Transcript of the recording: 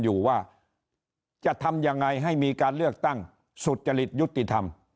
อยู่ว่าจะทำยังไงให้มีการเลือกตั้งสุจริตยุติธรรม